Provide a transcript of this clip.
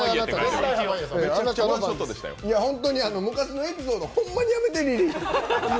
本当に昔のエピソードホンマにやめて、リリー。